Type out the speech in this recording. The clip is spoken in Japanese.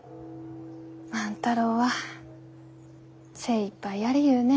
万太郎は精いっぱいやりゆうね。